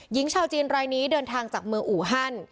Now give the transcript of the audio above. หญิงชาวจีนรายนี้เดินทางจากเมืองอูฮัน